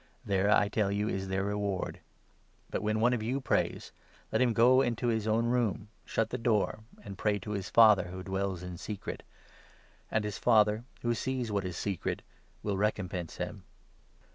There, I tell you, is their reward ! But, when 6 one of you prays, let him go into his own room, shut the door, and pray to his Father who dwells in secret ; and his Father, who sees what is secret, will recompense him.